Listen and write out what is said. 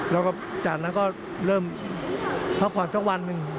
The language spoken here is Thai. แล้วก็จากนั้นก็เริ่มพักผ่อนสักวันหนึ่ง